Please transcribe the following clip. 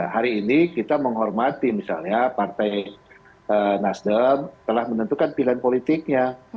hari ini kita menghormati misalnya partai nasdem telah menentukan pilihan politiknya